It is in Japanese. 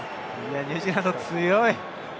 ニュージーランド、強い！